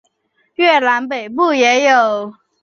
越南北部也有。